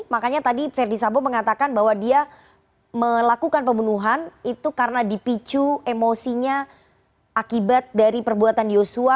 makanya tadi verdi sambo mengatakan bahwa dia melakukan pembunuhan itu karena dipicu emosinya akibat dari perbuatan yosua